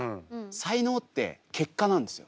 才能って結果なんですよ。